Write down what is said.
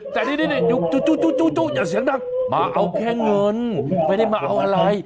แต่นี่จูอย่าเสียงดังมาเอาแค่เงินไม่ได้มาเอาอะไร